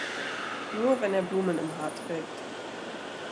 Nur wenn er Blumen im Haar trägt.